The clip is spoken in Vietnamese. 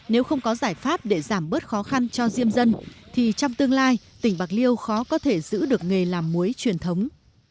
nếu không có giải pháp để giảm bớt khó khăn cho diêm dân thì trong tương lai tỉnh bạc liêu khó có thể giữ được nghề làm muối truyền thống